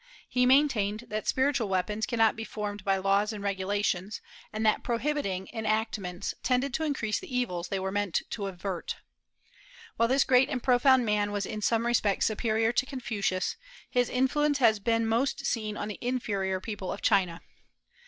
He maintained that spiritual weapons cannot be formed by laws and regulations, and that prohibiting enactments tended to increase the evils they were meant to avert. While this great and profound man was in some respects superior to Confucius, his influence has been most seen on the inferior people of China.